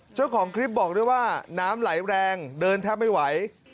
เจ้าของคลิปบอกด้วยว่าน้ำไหลแรงเดินแทบไม่ไหว